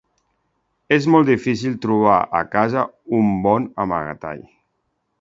És molt difícil trobar a casa un bon amagatall.